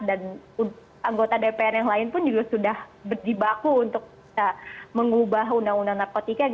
dan anggota dpr yang lain pun juga sudah berdibaku untuk mengubah undang undang narkotika